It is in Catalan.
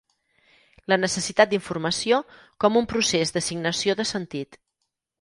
La necessitat d’informació com un procés d’assignació de sentit.